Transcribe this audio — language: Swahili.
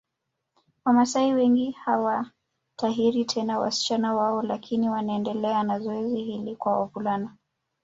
Wamaasai wengi hawatahiri tena wasichana wao lakini wanaendelea na zoezi hili kwa wavulana